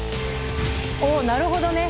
おなるほどね！